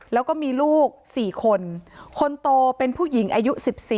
แล้วก็มีลูก๔คนคนโตเป็นผู้หญิงอายุ๑๔